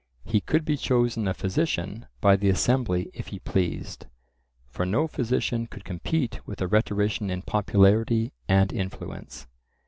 He could be chosen a physician by the assembly if he pleased, for no physician could compete with a rhetorician in popularity and influence.